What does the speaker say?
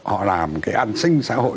họ làm cái ăn xinh xã hội